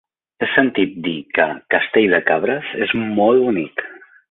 He sentit a dir que Castell de Cabres és molt bonic.